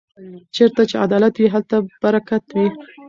چېرته چې عدالت وي هلته برکت وي.